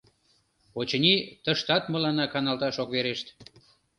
Очыни, тыштат мыланна каналташ ок верешт.